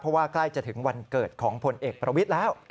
เพราะว่าใกล้จะถึงวันเกิดของผลเอกประวิทย์แล้ว